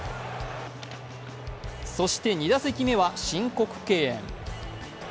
そして２打席目は申告敬遠。